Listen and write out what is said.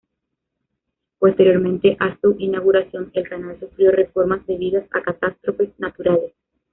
Posteriormente a su inauguración, el canal sufrió reformas debidas a catástrofes naturales.